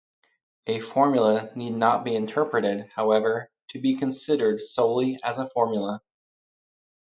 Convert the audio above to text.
A formula need not be interpreted, however, to be considered solely as a formula.